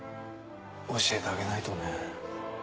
教えてあげないとね。